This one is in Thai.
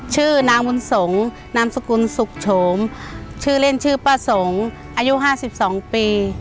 ชื่อนางวุญสงศ์นามสกุลสุขโฉมชื่อเล่นชื่อป้าสงศ์อายุ๕๒ปี